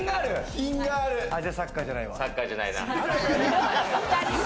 サッカーじゃないわ。